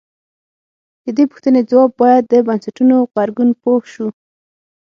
د دې پوښتنې ځواب باید د بنسټونو غبرګون پوه شو.